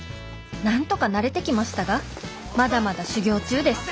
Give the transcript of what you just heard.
なんとか慣れてきましたがまだまだ修業中です